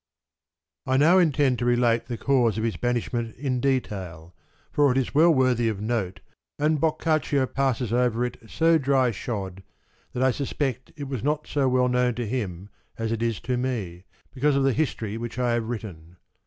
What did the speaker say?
I now intend to relate the cause of his banishment in detail, for it is well worthy of note, and Boccaccio passes over it so dry shod that I suspect it was not so well known to him as it is to me, because of the history which I have written.